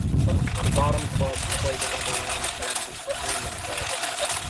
The bottom clubs played another round of matches between themselves.